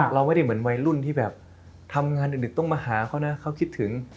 เราไม่ได้เหมือนวัยรุ่นที่แบบทำงานดึกต้องมาหาเขานะเขาคิดถึง